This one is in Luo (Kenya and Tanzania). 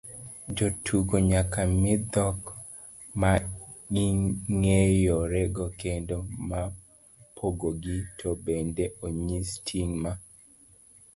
jotugo nyaka mi dhok maging'eyorego kendo mapogogi, to bende onyis ting' ma